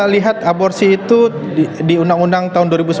lihat aborsi itu di undang undang tahun dua ribu sembilan belas